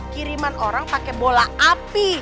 kiriman orang pakai bola api